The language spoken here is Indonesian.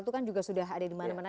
itu kan juga ada dimana mana